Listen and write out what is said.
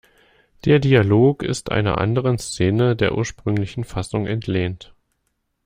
Der Dialog ist einer anderen Szene der ursprünglichen Fassung entlehnt.